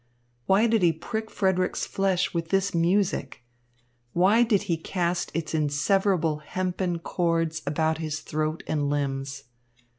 Why did he prick Frederick's flesh with this music? Why did he cast its inseverable hempen cords about his throat and limbs?